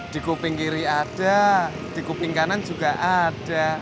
di kuping kiri ada di kuping kanan juga ada